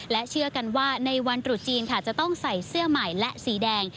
และเชื่อกันว่าในวันตรุษจีนค่ะจะต้องใส่เสื้อใหม่และสีแดง